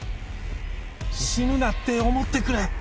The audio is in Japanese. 死ぬなって思ってくれ